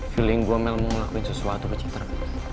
feeling gue mel mau ngelakuin sesuatu ke citar